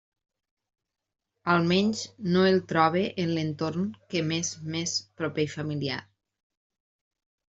Almenys no el trobe en l'entorn que m'és més proper i familiar.